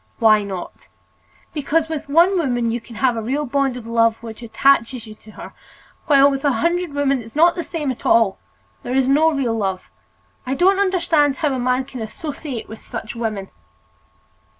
"Why not?" "Because with one woman you have a real bond of love which attaches you to her, while with a hundred women it's not the same at all. There is no real love. I don't understand how a man can associate with such women."